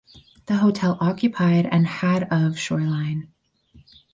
The hotel occupied and had of shoreline.